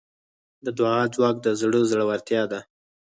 د دعا ځواک د زړه زړورتیا ده.